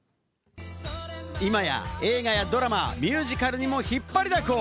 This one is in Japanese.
今や映画やドラマ、ミュージカルにも引っ張りだこ！